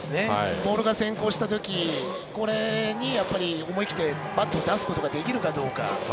ボールが先行したときこれに思い切ってバットを出すことができるか。